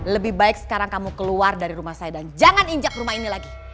lebih baik sekarang kamu keluar dari rumah saya dan jangan injak rumah ini lagi